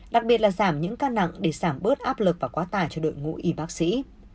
đặc biệt là giảm những ca nặng để giảm bớt áp lực và quá tải cho đội ngũ y bác sĩ